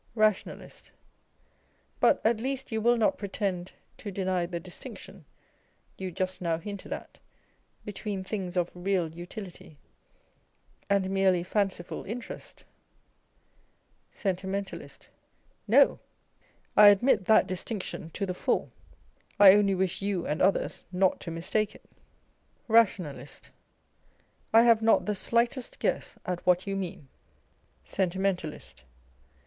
nationalist. But at least you will not pretend to deny the distinction (you just now hinted at) between things of real Utility and merely fanciful interest ? Sentimentalist. No, I admit that distinction to the full. I only wish you and others not to mistake it. The New School of Reform. 267 Rationalist. I have not the slightest guess at what you mean. Sentimentalist.